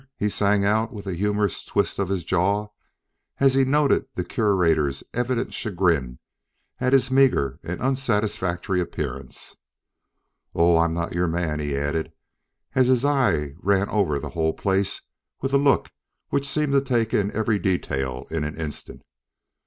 he sang out with a humorous twist of his jaw as he noted the Curator's evident chagrin at his meager and unsatisfactory appearance. "Oh, I'm not your man," he added as his eye ran over the whole place with a look which seemed to take in every detail in an instant. "Mr.